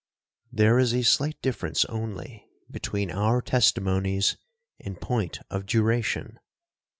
There is a slight difference only between our testimonies in point of duration.